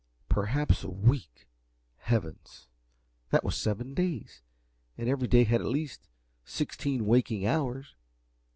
Perhaps a week! Heavens, that was seven days, and every day had at least sixteen waking hours.